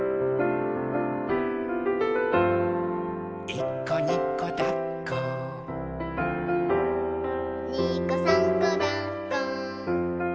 「いっこにこだっこ」「にこさんこだっこ」